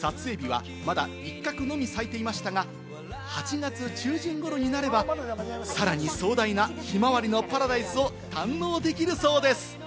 撮影日はまだ一角のみ咲いていましたが、８月中旬頃になれば、さらに壮大なひまわりのパラダイスを堪能できるそうです。